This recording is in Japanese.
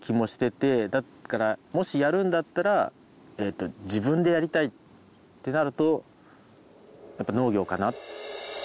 だからもしやるんだったら自分でやりたいってなるとやっぱり農業かな。